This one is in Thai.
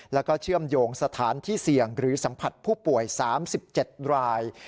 แล้วก็เชื่อมโยงสถานที่เสี่ยงหรือสัมผัสผู้ป่วย๓๗ราย